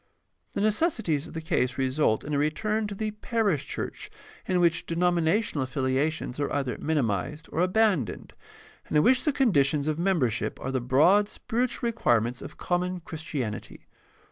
The necessities of the case result in a return to the parish church in which denominational affiliations are either minimized or abandoned, and in which the conditions of membership are the broad spiritual requirements of common Christianity.